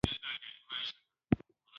سنا جرګې دا وړاندیز تایید کړ.